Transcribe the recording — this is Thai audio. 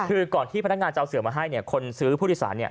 คือก่อนที่พนักงานจะเอาเสือมาให้เนี่ยคนซื้อผู้โดยสารเนี่ย